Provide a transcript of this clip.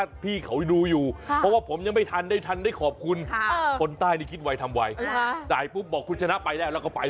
ไอ้เมี๊ยรึเปล่ากินเองคนเดียวันอร่อยดีจังเลย